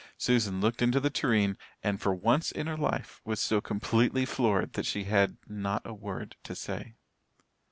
Susan looked into the tureen and for once in her life was so completely floored that she had not a word to say.